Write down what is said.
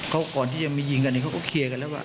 เขาก่อนที่จะมียิงกันเนี่ยเขาก็เคลียร์กันแล้วว่า